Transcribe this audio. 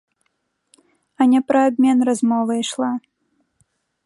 А не пра абмен размова ішла.